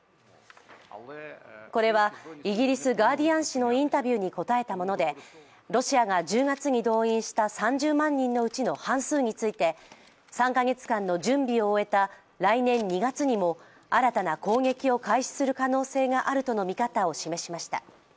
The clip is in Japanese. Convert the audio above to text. これは、イギリス「ガーディアン」紙のインタビューに応えたものでロシアが１０月に動員した３０万人のうちの半数について３か月間の準備を終えた来年２月にも新たな攻撃を開始する可能性があるとの見方を示しました。